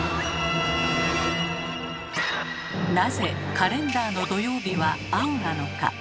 なぜカレンダーの土曜日は青なのか？